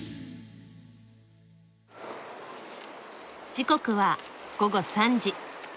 時刻は午後３時。